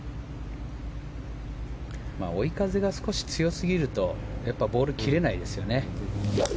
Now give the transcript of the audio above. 追い風が少し強すぎるとボール、切れないですよね。